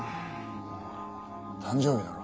誕生日だろ？